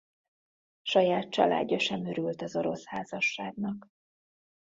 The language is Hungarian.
Saját családja sem örült az orosz házasságnak.